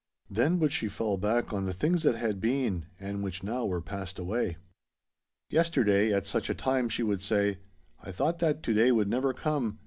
Then would she fall back on the things that had been, and which now were passed away. 'Yesterday, at such a time,' she would say, 'I thought that to day would never come.